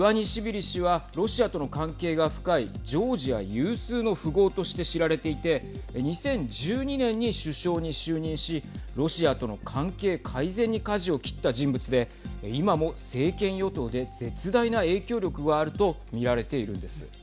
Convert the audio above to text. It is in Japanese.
有数の富豪として知られていて２０１２年に首相に就任しロシアとの関係改善にかじを切った人物で今も政権与党で絶大な影響力があると見られているんです。